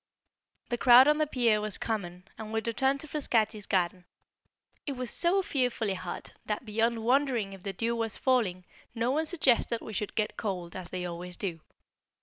The crowd on the pier was common, and we returned to Frascati's garden. It was so fearfully hot, that beyond wondering if the dew was falling, no one suggested we should get cold, as they always do.